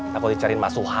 takut dicariin mas suha